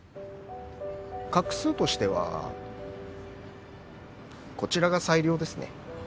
画数としてはこちらが最良ですね